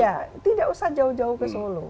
ya tidak usah jauh jauh ke solo